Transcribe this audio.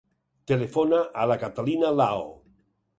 Telefona a la Catalina Lao.